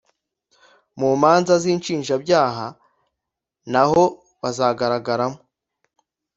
mu manza z’ inshinjabyaha naho bazagaragaramo